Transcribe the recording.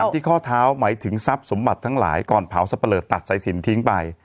ที่ข้อเท้าหมายถึงทรัพย์สมบัติทั้งหลายก่อนเผาสับปะเลอตัดสายสินทิ้งไป